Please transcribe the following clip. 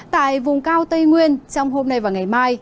tại vùng cao tây nguyên trong hôm nay và ngày mai